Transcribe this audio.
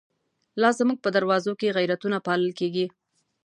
لا زمونږ په دروازو کی، غیرتونه پا لل کیږی